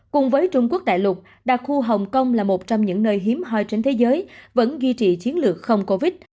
cùng với trung quốc đại lục đặc khu hồng kông là một trong những nơi hiếm hoi trên thế giới vẫn duy trì chiến lược không covid